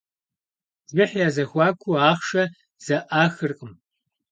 Бжыхь я зэхуакуу ахъшэ зэӏахыркъым.